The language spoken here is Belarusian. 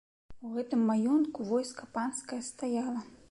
У гэтым маёнтку войска панскае стаяла.